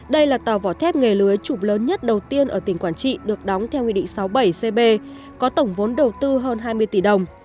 đây là tàu vỏ thép nghề lưới chụp lớn nhất đầu tiên ở tỉnh quảng trị được đóng theo nghị định sáu mươi bảy cb có tổng vốn đầu tư hơn hai mươi tỷ đồng